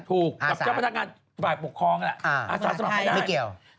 ถูกกับเจ้าพนักงานฝ่ายปกครองอาสาสนักไม่ได้